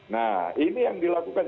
nah ini yang dilakukan